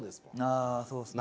あそうですね。